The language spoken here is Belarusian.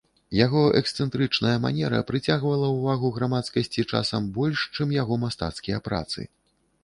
Яго эксцэнтрычная манера прыцягвала ўвагу грамадскасці часам больш, чым яго мастацкія працы.